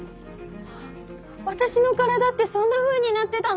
わたしの体ってそんなふうになってたの！？